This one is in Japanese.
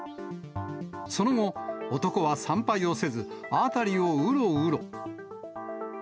その後、男は参拝をせず、辺りをうろうろ。